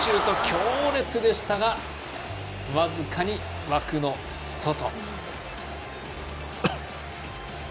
強烈でしたが、僅かに枠の外。